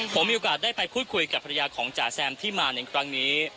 ผมมีโอกาสได้ไปพูดคุยกับภรรยาของจ๋าแซมที่มาในครั้งนี้